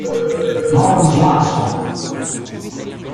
Norm Swanson